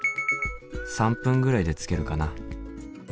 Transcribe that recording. ３分ぐらいで着けるかな？